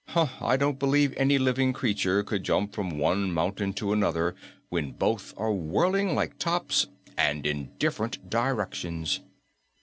I don't believe any living creature could jump from one mountain to another when both are whirling like tops and in different directions."